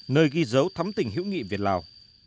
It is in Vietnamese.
nơi ghi dấu thấm tình hữu nghị việt lào